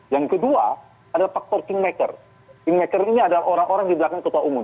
yang kedua adalah faktor kingmaker kingmaker ini adalah orang orang di belakang ketua umum